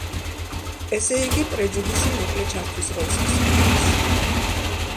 ესე იგი, პრეჯუდისი „მოკლე ჩართვის“ როლს ასრულებს.